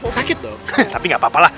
sakit dong tapi gak apa apa lah